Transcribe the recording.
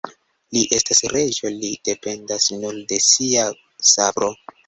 Li estas reĝo, li dependas nur de sia sabro.